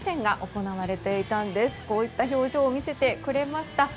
こういった表情を見せてくれました。